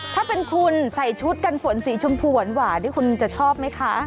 ถ้าเป็นคุณใส่ชุดกันฝนสีชมพูหวานที่คุณจะชอบไหมคะ